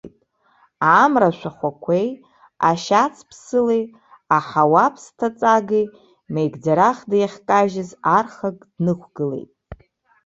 Амра ашәахәақәеи, ашьац ԥсылеи, аҳауа ԥсҭаҵагеи меигӡарахда иахькажьыз архак днықәгылеит.